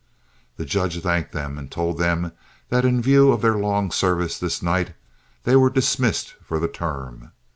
The judge thanked them and told them that in view of their long services this night, they were dismissed for the term.